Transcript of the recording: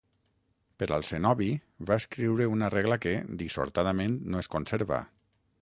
Per al cenobi va escriure una regla que, dissortadament, no es conserva.